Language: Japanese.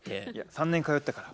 ３年通ったから。